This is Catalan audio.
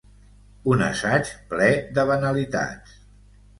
Un assaig ple de banalitats.